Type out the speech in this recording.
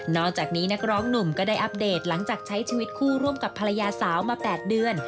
จากนี้นักร้องหนุ่มก็ได้อัปเดตหลังจากใช้ชีวิตคู่ร่วมกับภรรยาสาวมา๘เดือน